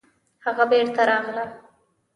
هغه بېرته راغله